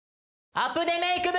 アプデメイク部！